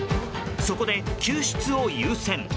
そこで、救出を優先。